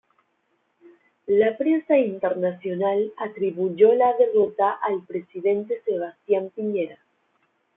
La prensa internacional atribuyó la derrota al presidente Sebastián Piñera.